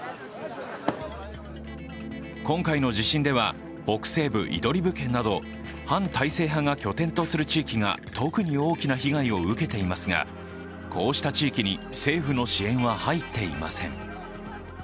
今回の地震では北西部イドリブ県など反体制派が拠点とする地域が特に大きな被害を受けていますがこうした地域に政府の支援は入っていません。